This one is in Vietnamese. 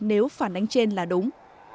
và phản ánh trên là đúng